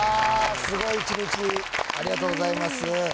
すごい１日ありがとうございます